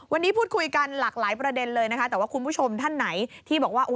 วันนี้พูดคุยกันหลากหลายประเด็นเลยนะคะแต่ว่าคุณผู้ชมท่านไหนที่บอกว่า